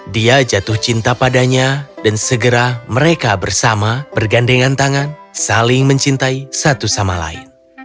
dia jatuh cinta padanya dan segera mereka bersama bergandengan tangan saling mencintai satu sama lain